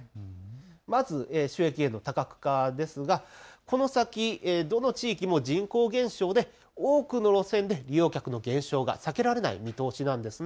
まず収益源の多角化ですが、この先、どの地域も人口減少で多くの路線で利用客の減少が避けられない見通しなんです。